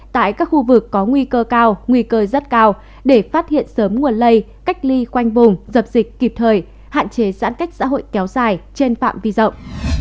tại các khu vực có nguy cơ cao nguy cơ rất cao để phát hiện sớm nguồn lây cách ly khoanh vùng dập dịch kịp thời hạn chế giãn cách xã hội kéo dài trên phạm vi rộng